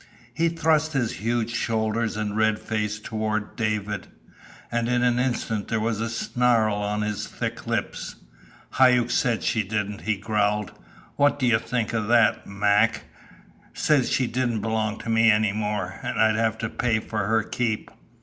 He thrust his huge shoulders and red face toward David, and in an instant there was a snarl on his thick lips. "Hauck said she didn't," he growled. "What do you think of that, Mac? said she didn't belong to me any more, an' I'd have to pay for her keep!